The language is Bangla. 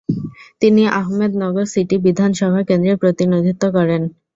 তিনি আহমেদনগর সিটি বিধানসভা কেন্দ্রের প্রতিনিধিত্ব করেন।